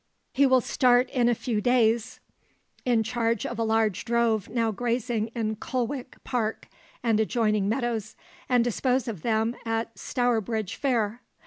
He will start in a few days in charge of a large drove now grazing in Colwick Park and adjoining meadows, and dispose of them at Stourbridge Fair.